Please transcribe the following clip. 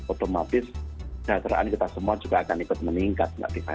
otomatis keadaan kita semua juga akan ikut meningkat